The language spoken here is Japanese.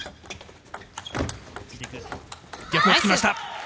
逆を突きました。